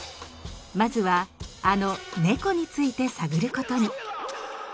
まずはあの猫について探ることに。